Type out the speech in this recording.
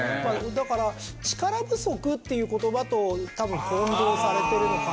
だから「力不足」っていう言葉と多分混同されてるのかなと。